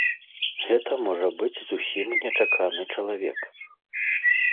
Гэта можа быць зусім нечаканы чалавек.